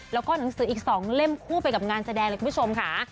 แล้วก็หนังสืออีก๒เล่มคู่ไปกับงานแสดงเลยคุณผู้ชมค่ะ